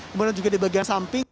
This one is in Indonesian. kemudian juga di bagian samping